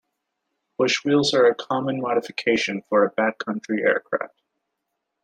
Bushwheels are a common modification for backcountry aircraft.